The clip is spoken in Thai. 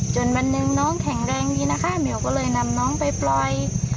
วันหนึ่งน้องแข็งแรงดีนะคะเหมียวก็เลยนำน้องไปปล่อย